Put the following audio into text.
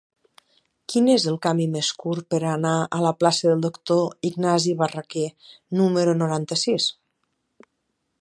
Quin és el camí més curt per anar a la plaça del Doctor Ignasi Barraquer número noranta-sis?